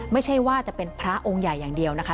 ไม่ใช่ว่าจะเป็นพระองค์ใหญ่อย่างเดียวนะคะ